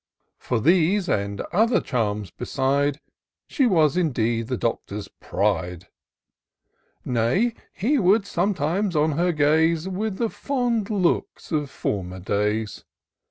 For these, and other charms beside, She was indeed the Doctor^s pride ; Nay, he would sometimes on her gaze With the fond looks of former days.